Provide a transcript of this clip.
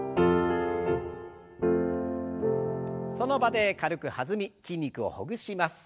その場で軽く弾み筋肉をほぐします。